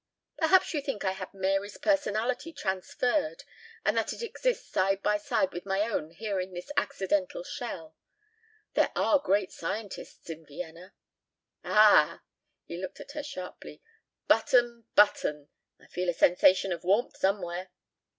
"Perhaps you think I had Mary's personality transferred and that it exists side by side with my own here in this accidental shell. There are great scientists in Vienna." "Ah!" He looked at her sharply. "Button, button I feel a sensation of warmth somewhere."